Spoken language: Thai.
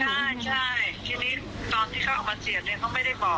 ใช่ใช่ทีนี้ตอนที่เขาเอามาเสียบเนี่ยเขาไม่ได้บอก